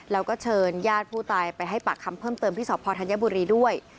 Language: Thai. แล้วก็เชิญญาติผู้ตายไปให้ปากคำเพิ่มเติมที่สพธัญบุรีด้วย